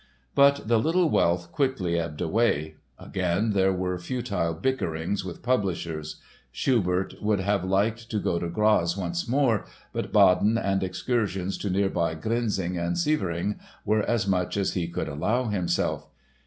But the little wealth quickly ebbed away. Again there were futile bickerings with publishers. Schubert would have liked to go to Graz once more but Baden and excursions to nearby Grinzing and Sievering were as much as he could allow himself.